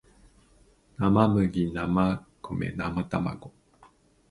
生麦生米生たまご